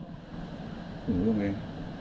ผมลวกเอง